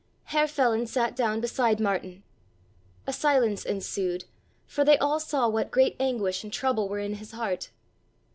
Herr Feland sat down beside Martin. A silence ensued, for they all saw what great anguish and trouble were in his heart.